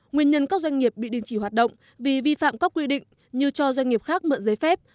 nguyên nhân các doanh nghiệp bị đình chỉ hoạt động vì vi phạm các quy định như cho doanh nghiệp khác mượn giấy phép